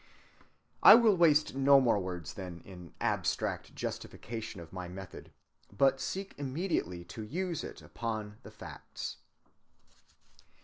I will waste no more words, then, in abstract justification of my method, but seek immediately to use it upon the facts.